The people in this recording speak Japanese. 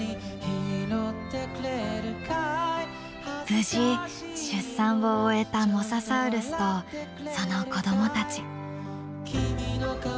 無事出産を終えたモササウルスとその子どもたち。